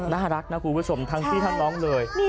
น่ารักนะคุณผู้ชมทั้งพี่ทั้งน้องเลย